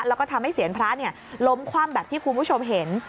แล้วก็ทำให้เสียนพระล้มคว่ำแบบที่คุณผู้ชมเห็น